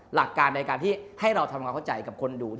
หลักการที่ให้เราทำงานกับคนดู